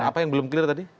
apa yang belum clear tadi